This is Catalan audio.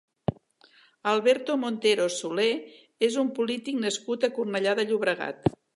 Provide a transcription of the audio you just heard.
Alberto Montero Soler és un polític nascut a Cornellà de Llobregat.